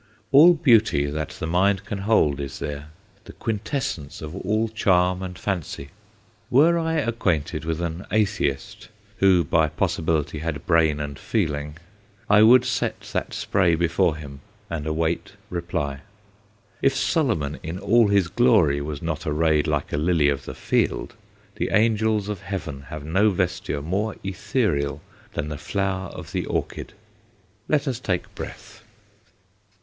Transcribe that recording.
All beauty that the mind can hold is there the quintessence of all charm and fancy. Were I acquainted with an atheist who, by possibility, had brain and feeling, I would set that spray before him and await reply. If Solomon in all his glory was not arrayed like a lily of the field, the angels of heaven have no vesture more ethereal than the flower of the orchid. Let us take breath.